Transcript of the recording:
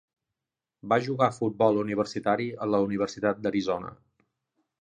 Va jugar a futbol universitari a la Universitat d'Arizona.